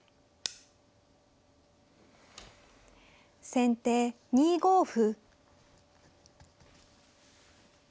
先手２五歩。